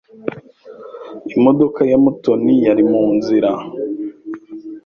Imodoka ya Mutoni yari mu nzira.